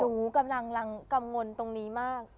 หนูกำลังกังวลตรงนี้มาก